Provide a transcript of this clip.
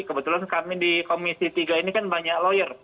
kebetulan kami di komisi tiga ini kan banyak lawyer